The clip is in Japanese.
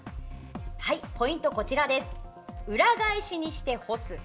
ポイントは、裏返しにして干す。